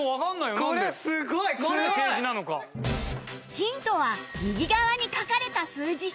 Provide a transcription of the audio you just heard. ヒントは右側に書かれた数字